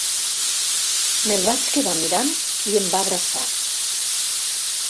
Me'l vaig quedar mirant i em va abraçar.